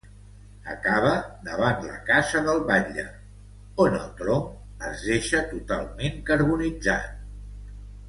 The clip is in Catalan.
Acaba davant la casa del batlle, on el tronc es deixa totalment carbonitzat.